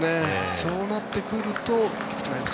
そうなってくるときつくなります。